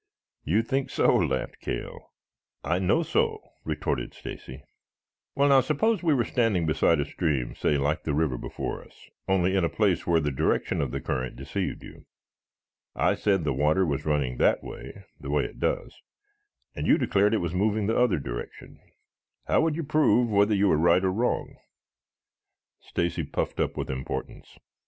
"You think so?" laughed Cale. "I know so," retorted Stacy. "Well, now suppose we were standing beside a stream, say like the river before us, only in a place where the direction of the current deceived you. I said the water was running that way, the way it does, and you declared it was moving in the other direction, how would you prove whether you were right or wrong?" Stacy puffed up with importance.